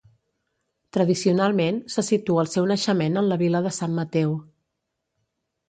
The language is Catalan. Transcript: Tradicionalment se situa el seu naixement en la vila de Sant Mateu.